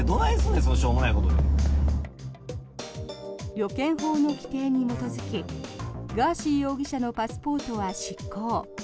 旅券法の規定に基づきガーシー容疑者のパスポートは失効。